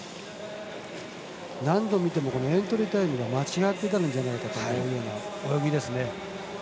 何度見てもこのエントリータイムが間違ってたんじゃないかと思うような泳ぎですね。